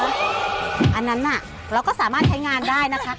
อันนั้นน่ะเราก็สามารถใช้งานได้นะคะ